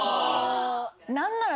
何なら。